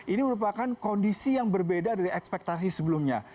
ini merupakan kondisi yang berbeda dari ekspektasi sebelumnya